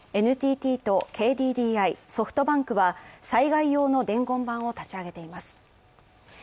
ＮＴＴとＫＤＤＩ、ソフトバンクは災害用の伝言板を立ち上げています。